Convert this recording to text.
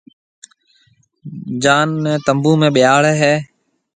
جان نيَ تنبوُ ۾ ٻيھاݪيَ ھيََََ